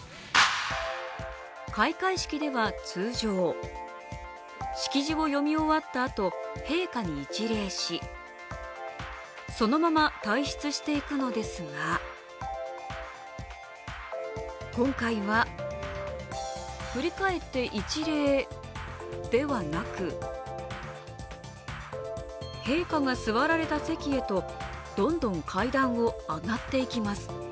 開会式では通常、式辞を読み終わったあと陛下に一礼し、そのまま退室していくのですが今回は振り返って一礼ではなく、陛下が座られた席へとどんどん階段を上がっていきます。